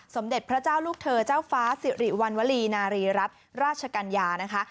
สมเด็จพระเจ้าลูกเธอเจ้าฟ้าสิริวัณวลีนารีรัฐราชกัญญานะคะ